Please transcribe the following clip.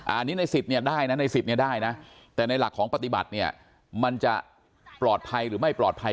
อันนี้ในสิทธิ์นี้ได้นะแต่ในหลักของปฏิบัติมันจะปลอดภัยหรือไม่ปลอดภัย